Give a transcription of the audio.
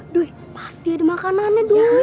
duh pasti ada makanannya